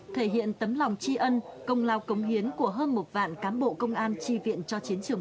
thể hiện tấm lòng tri ân công lao cống hiến của hơn một vạn cán bộ công an tri viện cho chiến trường